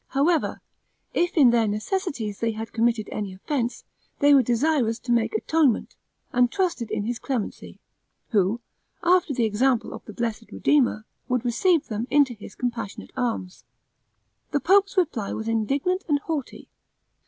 However, if in their necessities they had committed any offense, they were desirous to make atonement, and trusted in his clemency, who, after the example of the blessed Redeemer, would receive them into his compassionate arms. The pope's reply was indignant and haughty.